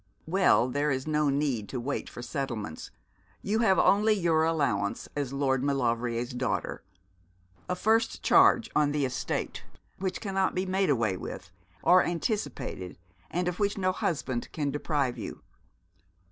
Well, there is no need to wait for settlements. You have only your allowance as Lord Maulevrier's daughter a first charge on the estate, which cannot be made away with or anticipated, and of which no husband can deprive you.'